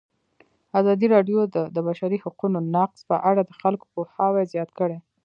ازادي راډیو د د بشري حقونو نقض په اړه د خلکو پوهاوی زیات کړی.